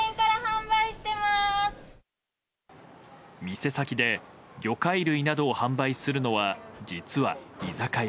店先で魚介類などを販売するのは、実は居酒屋。